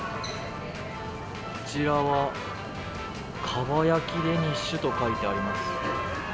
こちらはかば焼きデニッシュと書いてあります。